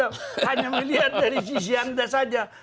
hanya melihat dari sisi anda saja